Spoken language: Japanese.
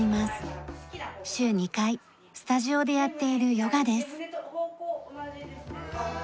週２回スタジオでやっているヨガです。